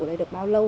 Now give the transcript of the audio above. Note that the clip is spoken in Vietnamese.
ở đây được bao lâu